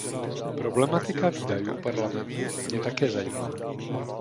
Problematika výdajů Parlamentu mě také zajímá.